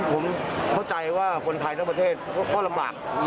ผมเข้าใจว่าคนไทยทั้งประเทศก็ลำบาก